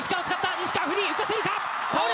西川フリー、生かせるか。